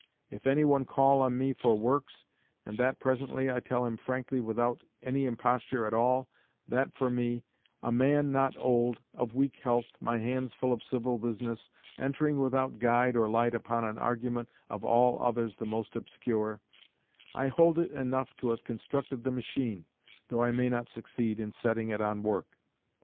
If any one call on me for works, and that presently, I tell him frankly, without any imposture at all, that for me a man not old, of weak health, my hands full of civil business, entering without guide or light upon an argument of all others the most obscure I hold it enough to have constructed the machine, though I may not succeed in setting it on work....